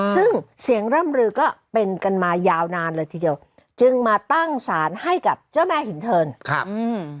ซึ่งเสียงร่ำลือก็เป็นกันมายาวนานเลยทีเดียวจึงมาตั้งสารให้กับเจ้าแม่หินเทินครับอืม